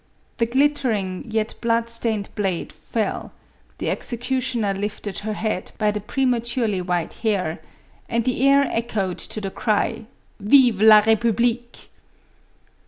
The glittering yet blood stained blade fell ; the execu tioner lifted her head by the prematurely white hair, and the air echoed to the cry, " Vive la Edpublique